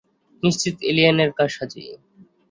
নিশ্চিত এলিয়েনের কারসাজি।